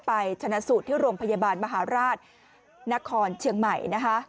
ชนะสูตรที่โรงพยาบาลมหาราชนครเชียงใหม่นะคะ